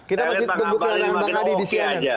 kita masih tunggu kedatangan bang andi di cnn